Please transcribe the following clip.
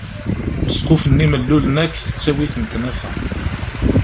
Lesquf-nni mellulen akk tettawi-ten tnafa.